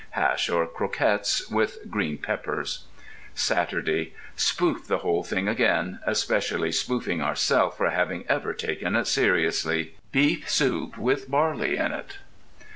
(HASH OR CROQUETTES WITH GREEN PEPPERS.) SATURDAY. Spoof the whole thing again, especially spoofing ourself for having ever taken it seriously. (BEEF SOUP WITH BARLEY IN IT.)